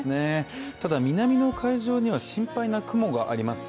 ただ、南の海上には心配な雲があります。